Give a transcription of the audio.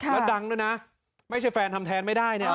แล้วดังด้วยนะไม่ใช่แฟนทำแทนไม่ได้เนี่ย